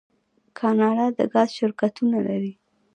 کاناډا د ګاز شرکتونه لري.